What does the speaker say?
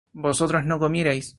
vosotros no comierais